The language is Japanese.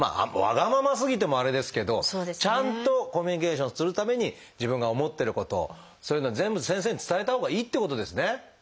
わがまますぎてもあれですけどちゃんとコミュニケーションするために自分が思ってることそういうのを全部先生に伝えたほうがいいってことですね。